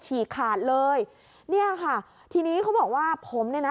ฉีกขาดเลยเนี่ยค่ะทีนี้เขาบอกว่าผมเนี่ยนะ